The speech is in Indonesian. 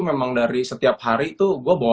memang dari setiap hari tuh gue bawa